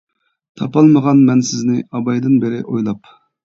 تاپالمىغان مەن سىزنى، ئابايدىن بېرى ئويلاپ.